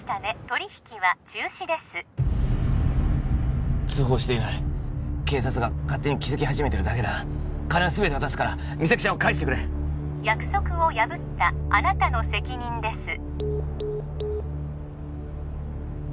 取り引きは中止です通報していない警察が勝手に気づき始めてるだけだ金はすべて渡すから実咲ちゃんを返してくれ約束を破ったあなたの責任です